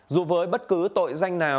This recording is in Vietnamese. dù với bất cứ tội danh nào